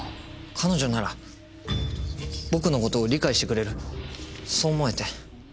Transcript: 彼女なら僕のことを理解してくれるそう思えて。